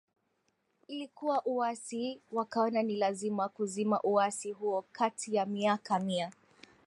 ilikuwa uasi Wakaona ni lazima kuzima uasi huo Kati ya miaka Mia